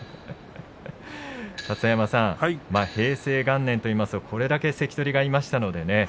立田山さん、平成元年といいますとこれだけ関取がいましたのでね